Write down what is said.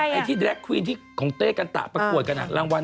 วันหนังก็ไปโชว์อยู่เลย